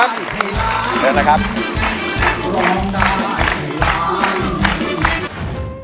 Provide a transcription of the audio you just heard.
สันนี้คือคุณโนขอบคุณมากครับนักช่วยชีวิตของเรา